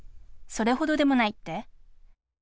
それほどでもないって？